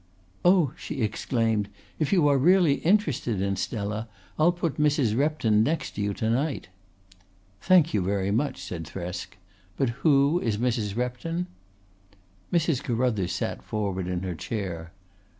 "Oh," she exclaimed, "if you are really interested in Stella I'll put Mrs. Repton next to you to night." "Thank you very much," said Thresk. "But who is Mrs. Repton?" Mrs. Carruthers sat forward in her chair.